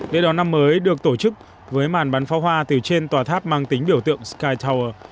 lễ đón năm mới được tổ chức với màn bắn pháo hoa từ trên tòa tháp mang tính biểu tượng sky tower